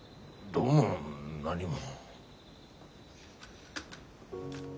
どうも何も。